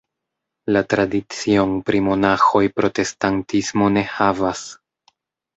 La tradicion pri Monaĥoj protestantismo ne havas.